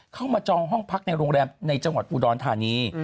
มาจองห้องพักในโรงแรมในจังหวัดอุดรธานี